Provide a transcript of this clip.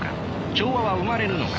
調和は生まれるのか。